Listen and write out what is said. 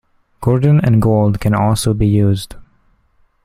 Gordon and Gold can also be used.